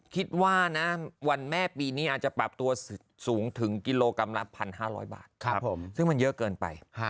คิดว่านะวันแม่ปีนี้อาจจะปรับตัวสูงถึงกิโลกรัมละ๑๕๐๐บาทซึ่งมันเยอะเกินไป